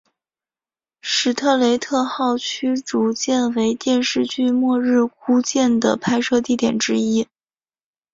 史特雷特号驱逐舰为电视剧末日孤舰的拍摄地点之一